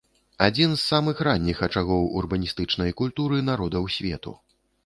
Адзін з самых ранніх ачагоў урбаністычнай культуры народаў свету.